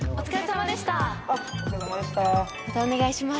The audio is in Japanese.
またお願いします。